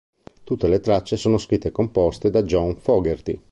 Tutte le tracce sono scritte e composte da John Fogerty.